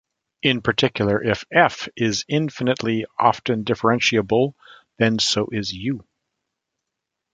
In particular, if "f" is infinitely-often differentiable, then so is "u".